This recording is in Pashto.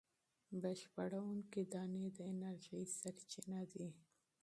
بشپړوونکې دانې د انرژۍ سرچینه دي.